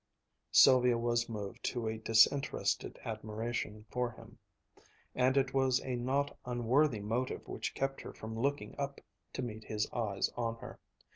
Sylvia was moved to a disinterested admiration for him; and it was a not unworthy motive which kept her from looking up to meet his eyes on her.